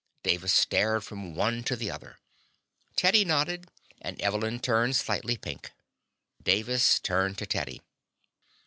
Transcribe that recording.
Davis stared from one to the other. Teddy nodded, and Evelyn turned slightly pink. Davis turned to Teddy.